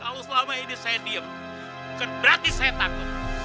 kalau selama ini saya diem berarti saya takut